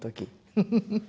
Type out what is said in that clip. フフフッ。